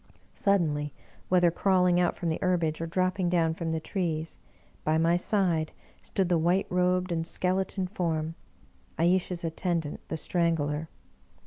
Sud denly, whether crawling out from the herbage or dropping down from the trees, by my side stood the white robed and skeleton form — ^Ayesha's attendant the Strangler.